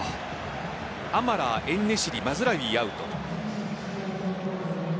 アマラー、エンネシリマズラウィ、アウト。